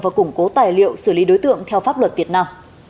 và củng cố tài liệu xử lý đối tượng theo pháp luật việt nam